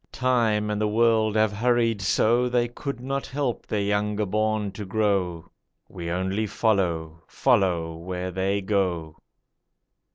Time and the World have hurried so They could not help their younger born to grow; We only follow, follow where they go.